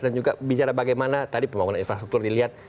dan juga bicara bagaimana tadi pembangunan infrastruktur dilihat